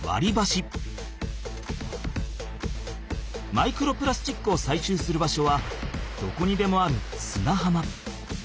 マイクロプラスチックをさいしゅうする場所はどこにでもある砂浜。